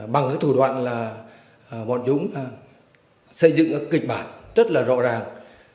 bằng cái thủ đoạn là bọn chúng xây dựng kịch bản rất là rõ ràng